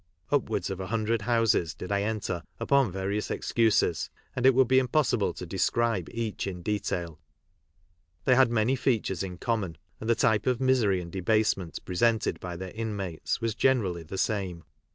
Upwards of a hundred nouses did I enter upon various excuses, and it wouid m impossible to describe each in detail, lney had many features in common, and the type ot misery and debasement presented by their inmates was generally the same.